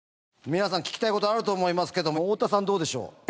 皆さん聞きたい事あると思いますけどもオオタさんどうでしょう？